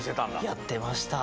やってました。